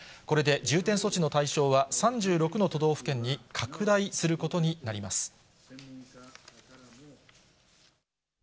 これで重点措置の対象は、３６の都道府県に拡大することになります。